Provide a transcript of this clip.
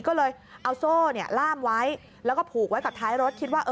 ก็เลยเอาโซ่ล่ามไว้แล้วก็ผูกไว้กับท้ายรถคิดว่า